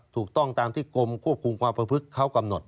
ถูกต้องตามที่กรมควบคุมความประพฤติเขากำหนด